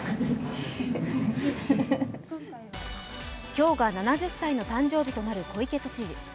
今日が７０歳の誕生日となる小池都知事。